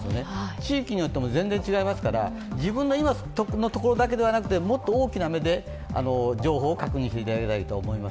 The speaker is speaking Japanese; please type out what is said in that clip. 地域によっても全然違いますから自分の今の所だけじゃなくてもっと大きな目で情報を確認していただきたいと思います。